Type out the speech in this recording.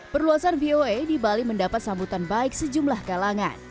perluasan voa di bali mendapat sambutan baik sejumlah kalangan